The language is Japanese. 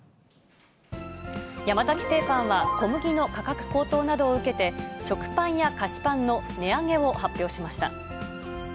山崎製パンは、小麦の価格高騰などを受けて、食パンや菓子パンの値上げを発表しました。